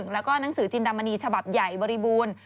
แล้วก็หนังสือจินดามณีฉบับใหญ่บริบูรณ์